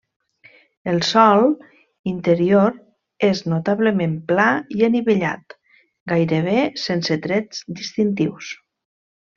El sòl interior és notablement pla i anivellat, gairebé sense trets distintius.